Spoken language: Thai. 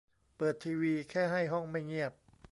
เปิดทีวีแค่ให้ห้องไม่เงียบ